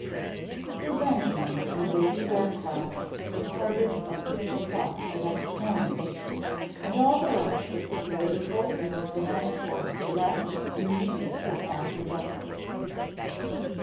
Sir Benjamin and Lady Bearcroft departed at six o'clock the next morning, and all the rest of the political and diplomatic corps left immediately after breakfast.